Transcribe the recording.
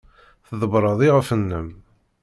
Tḍebbreḍ iɣef-nnem.